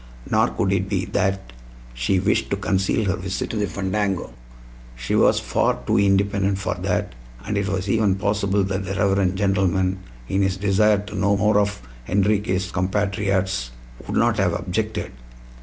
Nor could it be that she wished to conceal her visit to the fandango. She was far too independent for that, and it was even possible that the reverend gentleman, in his desire to know more of Enriquez' compatriots, would not have objected.